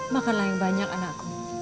makanlah yang banyak anakku